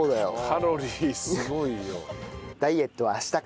カロリーすごいよ。